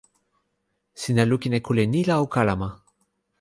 sina lukin e kule ni la o kalama.